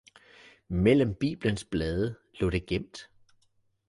Mellem biblens blade lå det gemt